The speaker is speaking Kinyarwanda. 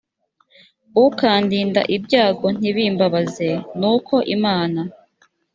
ukandinda ibyago ntibimbabaze nuko imana